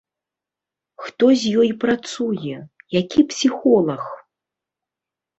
Хто з ёй працуе, які псіхолаг?